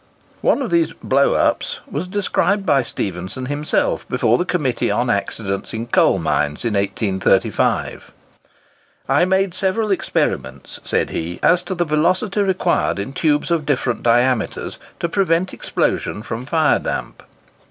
One of these "blows up" was described by Stephenson himself before the Committee on Accidents in Coal Mines, in 1835: "I made several experiments," said he, "as to the velocity required in tubes of different diameters, to prevent explosion from fire damp.